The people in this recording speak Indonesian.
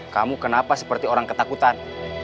kamu kenapa seperti orang ketakutan